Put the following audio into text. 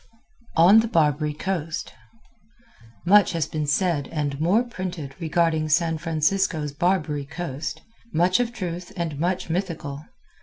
On the Barbary Coast Much has been said and more printed regarding San Francisco's Barbary Coast much of truth and much mythical.